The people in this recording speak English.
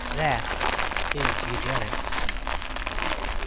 That is Eugenics.